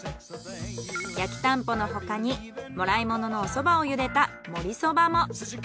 焼きたんぽの他にもらい物のお蕎麦をゆでた盛り蕎麦も。